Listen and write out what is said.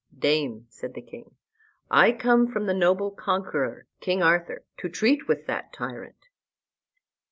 "Dame," said the king, "I come from the noble conqueror, King Arthur, to treat with that tyrant."